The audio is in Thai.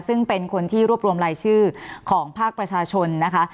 ซึ่งเป็นคนที่รวบรวมรายชื่อของภาคประชาชนนะคะ